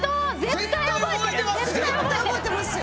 絶対覚えてますよ。